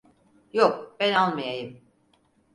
Yok, ben almayayım.